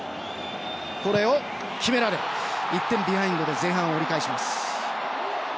これを決められ１点ビハインドで前半を折り返します。